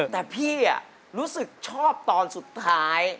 แต่พี่รู้สึกชอบตอนสุดท้าย